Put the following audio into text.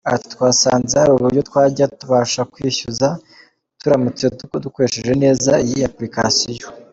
Ati “Twasanze hari uburyo twajya tubasha kwishyuza turamutse dukoresheje neza iyi application.